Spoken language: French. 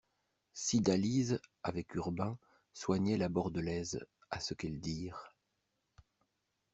Cydalise, avec Urbain, soignait la Bordelaise, à ce qu'elles dirent.